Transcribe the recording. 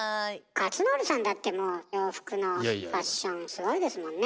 克典さんだってもう洋服のファッションすごいですもんね。